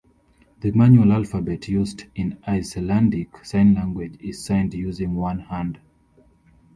The manual alphabet used in Icelandic Sign Language is signed using one hand.